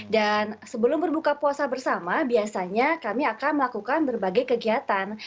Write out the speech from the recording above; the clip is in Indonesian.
dan sebelum berbuka puasa bersama biasanya kami akan melakukan berbagai kegiatan